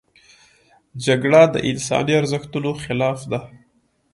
جګړه د انساني ارزښتونو خلاف ده